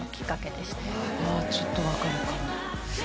ちょっと分かるかも。